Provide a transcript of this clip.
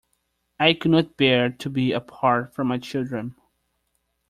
I could not bear to be apart from my children.